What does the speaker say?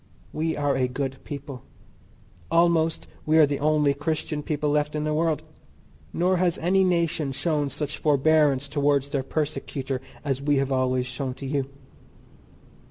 We are a good people; almost we are the only Christian people left in the world, nor has any nation shown such forbearance towards their persecutor as we have always shown to you.